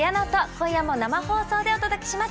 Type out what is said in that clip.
今夜も生放送でお届けします。